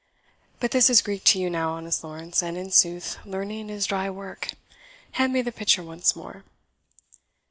But this is Greek to you now, honest Lawrence, and in sooth learning is dry work. Hand me the pitcher once more."